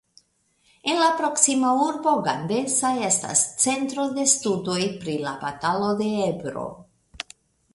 En la proksima urbo Gandesa estas Centro de Studoj pri la Batalo de Ebro.